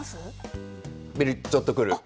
ちょっとくる。